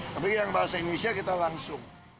tapi yang bahasa indonesia kita langsung